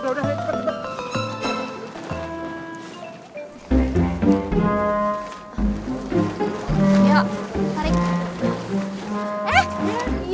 udah ayo cepet cepet